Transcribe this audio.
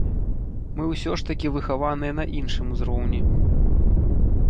Мы ўсё ж такі выхаваныя на іншым узроўні.